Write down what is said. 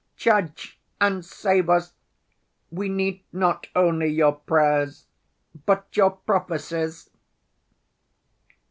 Judge and save us! We need not only your prayers but your prophecies!"